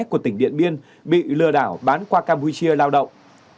của tỉnh điện biên bị lừa đảo bán qua campuchia lao động